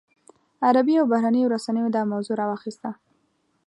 عربي او بهرنیو رسنیو دا موضوع راواخیسته.